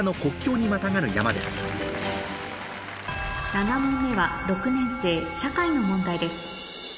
７問目は６年生社会の問題です